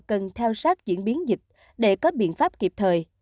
cần theo sát diễn biến dịch để có biện pháp kịp thời